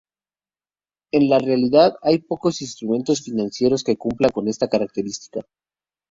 En la realidad, hay pocos instrumentos financieros que cumplan con esta característica.